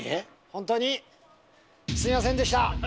本当にすみませんでした。